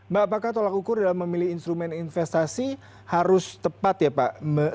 mbak apakah tolak ukur dalam memilih instrumen investasi harus tepat ya pak